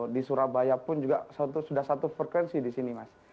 di surabaya pun juga sudah satu frekuensi di sini mas